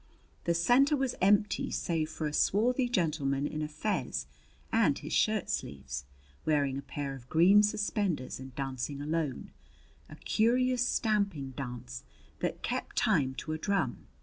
The center was empty save for a swarthy gentleman in a fez and his shirt sleeves, wearing a pair of green suspenders and dancing alone a curious stamping dance that kept time to a drum.